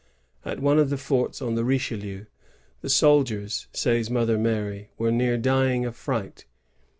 At one of the forts on the Richelieu, *' the soldiers, " says Mother Mary, '^were near dying of fright.